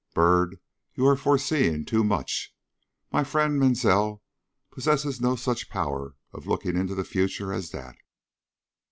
Byrd, you are foreseeing too much. My friend Mansell possesses no such power of looking into the future as that."